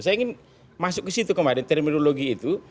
saya ingin masuk ke situ kemarin terminologi itu